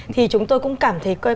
thì chúng tôi cũng cảm thấy